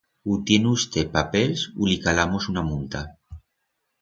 U tien usté papels u li calamos una multa.